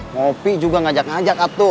ngopi juga ngajak ngajak kato